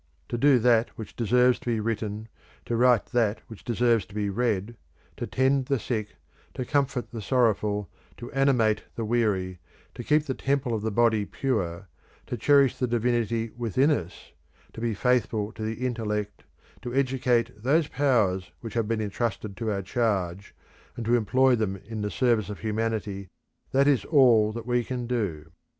To do that which deserves to be written, to write that which deserves to be read, to tend the sick, to comfort the sorrowful, to animate the weary, to keep the temple of the body pure, to cherish the divinity within us, to be faithful to the intellect, to educate those powers which have been entrusted to our charge and to employ them in the service of humanity, that is all that we can do.